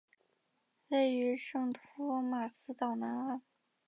位于圣托马斯岛南岸。